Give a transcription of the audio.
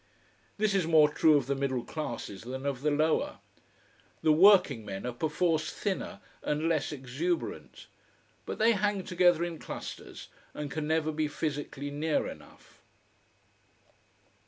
This is more true of the middle classes than of the lower. The working men are perforce thinner and less exuberant. But they hang together in clusters, and can never be physically near enough.